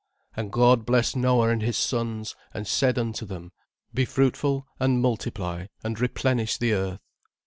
"And God blessed Noah and his sons, and said unto them, Be fruitful and multiply and replenish the earth.